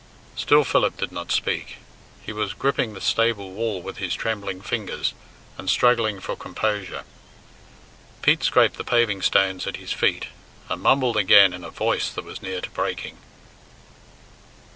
Still Philip did not speak. He was gripping the stable wall with his trembling fingers, and struggling for composure. Pete scraped the paving stones at his feet, and mumbled again in a voice that was near to breaking.